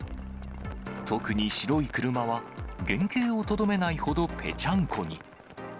特に白い車は、原形をとどめないほど、ぺちゃんこに。